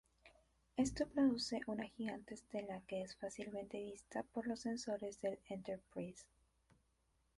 Esto produce una gigante estela que es fácilmente vista por los sensores del "Enterprise".